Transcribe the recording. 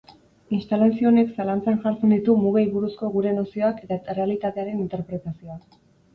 Instalazio honek zalantzan jartzen ditu mugei buruzko gure nozioak eta errealitatearen interpretazioa.